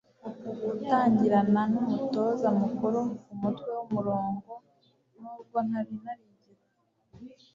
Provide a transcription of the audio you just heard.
gutangirana numutoza mukuru kumutwe wumurongo. nubwo ntari narigeze